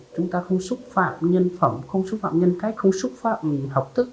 chúng ta không xúc phạm nhân phẩm không xúc phạm nhân cách không xúc phạm học thức